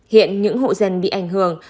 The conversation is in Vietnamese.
hiện những hộ dân bị ảnh hưởng